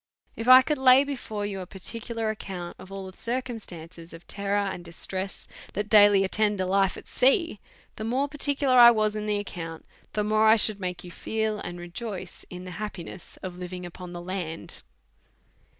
If I could lay before you a particular account of all the circumstances of terror and distress that daily at tend a life at sea, the more particular 1 was in the ac count, the more I should make you feel and rejoice in the happiness of living upon the land.